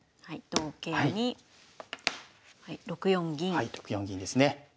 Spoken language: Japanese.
はい６四銀ですね。